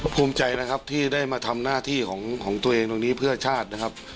ภูมิใจนะครับที่ได้มาทำหน้าที่ของตัวเองตรงนี้เพื่อชาตินะครับ